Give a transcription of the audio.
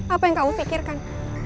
apa yang kamu pikirkan